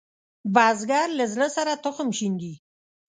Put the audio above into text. بزګر له زړۀ سره تخم شیندي